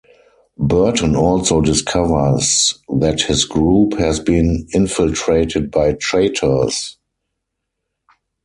Burton also discovers that his group has been infiltrated by traitors.